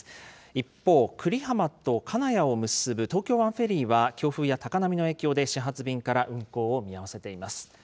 一方、久里浜と金谷を結ぶ東京湾フェリーは、強風や高波の影響で、始発便から運航を見合わせています。